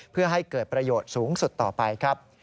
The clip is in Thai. เพื่อให้เกิดประโยชน์สูงสุดต่อไปครับ